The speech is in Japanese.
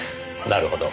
なるほど。